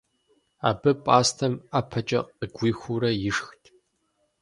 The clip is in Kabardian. Абы пӀастэм ӀэпэкӀэ къыгуихыурэ ишхт.